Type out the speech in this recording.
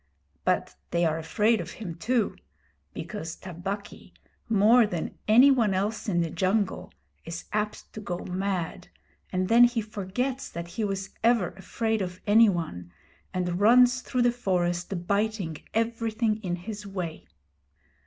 But they are afraid of him too, because Tabaqui, more than any one else in the jungle, is apt to go mad, and then he forgets that he was ever afraid of any one, and runs through the forest biting everything in his way.